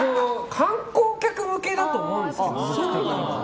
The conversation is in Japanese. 観光客向けだと思うんですよ。